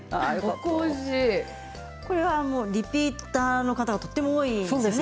これはリピーターの方がとても多いんですよね。